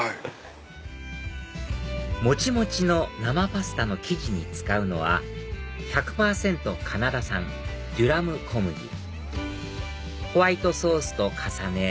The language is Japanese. もちもちの生パスタの生地に使うのは１００％カナダ産デュラム小麦ホワイトソースと重ね